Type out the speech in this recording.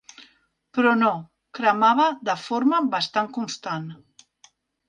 Però no: cremava de forma bastant constant.